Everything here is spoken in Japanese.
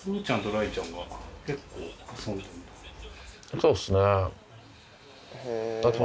そうですね。